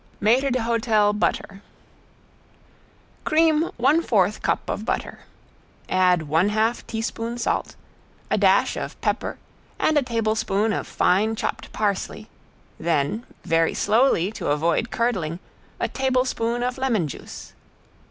~MAITRE D'HOTEL BUTTER~ Cream one fourth cup of butter. Add one half teaspoon salt, a dash of pepper and a tablespoon of fine chopped parsley, then, very slowly to avoid curdling, a tablespoon of lemon juice.